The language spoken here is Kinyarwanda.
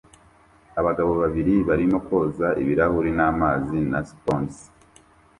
Abagabo babiri barimo koza ibirahuri n'amazi na sponges